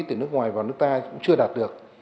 từ nước ngoài vào nước ta cũng chưa đạt được